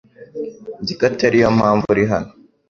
Nzi ko atariyo mpamvu uri hano